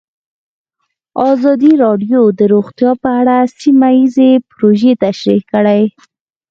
ازادي راډیو د روغتیا په اړه سیمه ییزې پروژې تشریح کړې.